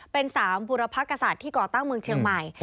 เป็น๓บุรพกษัตริย์ที่ก่อตั้งเมืองเชียงใหม่